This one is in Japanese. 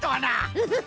フフフ。